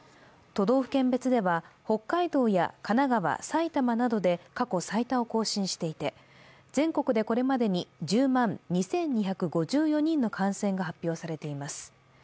都道府県別では北海道や神奈川、埼玉などで過去最多を更新していて、全国でこれまでに１０万２２５４人の感染が発表されています。